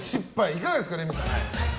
いかがですか、レミさん。